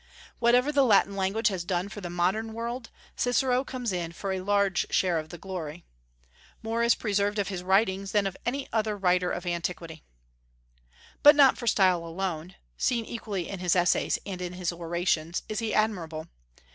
Whatever the Latin language has done for the modern world, Cicero comes in for a large share of the glory. More is preserved of his writings than of any other writer of antiquity. But not for style alone seen equally in his essays and in his orations is he admirable.